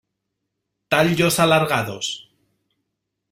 Tallos alargados.